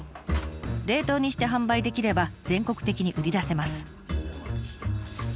冷凍にして販売できれば全国的に売り出せます。